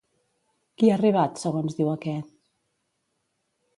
Qui ha arribat, segons diu aquest?